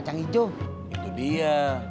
gua enggak tahu gimana bikinnya